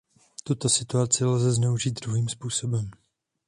Tuto situaci lze zneužít dvojím způsobem.